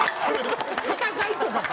戦いとかか？